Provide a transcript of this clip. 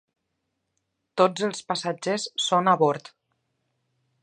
Tots els passatgers són a bord.